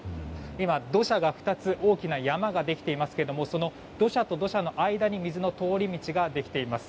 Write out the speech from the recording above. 今、土砂の大きな山が２つできていますがその土砂の間に水の通り道ができています。